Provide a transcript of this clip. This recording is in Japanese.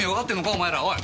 お前らおい。